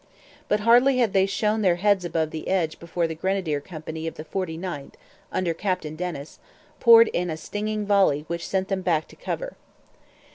But hardly had they shown their heads above the edge before the grenadier company of the 49th, under Captain Dennis, poured in a stinging volley which sent them back to cover.